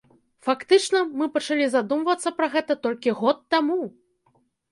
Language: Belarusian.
Фактычна, мы пачалі задумвацца пра гэта толькі год таму!